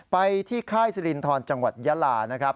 ไปที่ค่ายสิรินทรจังหวัดยาลานะครับ